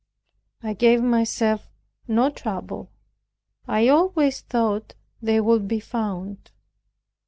I gave myself no trouble; I always thought they would be found.